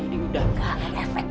ini udah gak efek